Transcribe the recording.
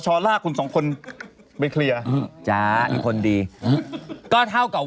ชั้นบอกว่าอี๊นักศึกษา